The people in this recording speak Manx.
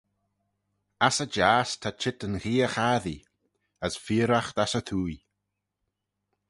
"Ass y jiass ta cheet yn gheay-chassee; as feayraght ass y twoaie."